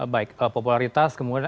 baik popularitas kemudian